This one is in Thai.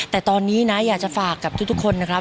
แต่ตอนนี้นะอยากจะฝากกับทุกคนนะครับ